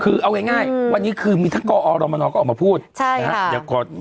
คือเอาง่ายวันนี้คือมีทั้งกอรมนก็ออกมาพูดใช่นะฮะ